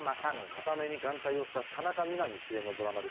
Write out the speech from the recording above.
片目に眼帯をした田中みな実主演のドラマですかね。